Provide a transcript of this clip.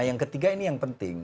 yang ketiga ini yang penting